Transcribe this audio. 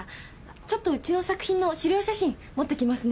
ちょっとうちの作品の資料写真持ってきますね。